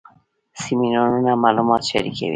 سیمینارونه معلومات شریکوي